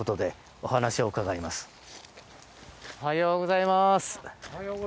おはようございます。